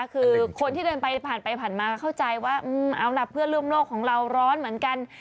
คือคนที่เดินไปผ่านไปผ่านมาเข้าใจว่าเอาล่ะเพื่อนร่วมโลกของเราร้อนเหมือนกัน